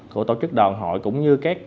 của tổ chức đoàn hội cũng như các